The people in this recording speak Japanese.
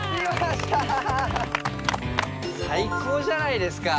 最高じゃないですか！